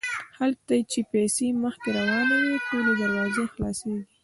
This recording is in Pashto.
هلته چې پیسې مخکې روانې وي ټولې دروازې خلاصیږي.